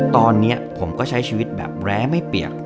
ตอนนี้ผมก็ใช้ชีวิตแบบแร้ไม่เปียก